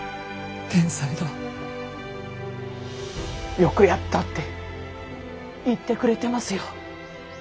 「よくやった」って言ってくれてますよ。